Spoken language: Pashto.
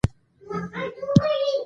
د محصل لپاره ذهني روغتیا مهمه ده.